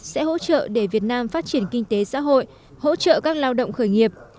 sẽ hỗ trợ để việt nam phát triển kinh tế xã hội hỗ trợ các lao động khởi nghiệp